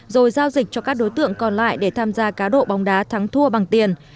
rồi giao dịch cho các đối tượng còn lại để tham gia cá độ bóng đá thắng thua bằng tiền